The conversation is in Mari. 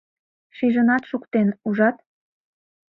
Шижынат шуктен, ужат!..